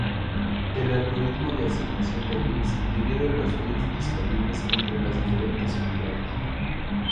El algoritmo de asignación de bits divide los bits disponibles entre las diferentes unidades.